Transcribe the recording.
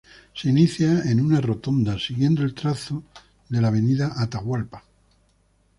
Se inicia en una rotonda, siguiendo el trazo de la avenida Atahualpa.